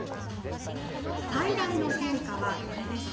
最大の変化はこれです。